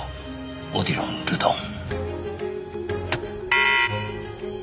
オディロン・ルドン。